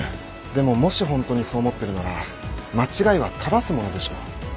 でももしホントにそう思ってるなら間違いは正すものでしょう。